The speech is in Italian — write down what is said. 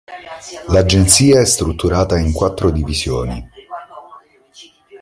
L'agenzia è strutturata in quattro divisioni.